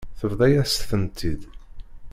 Tebḍa-yas-tent-id.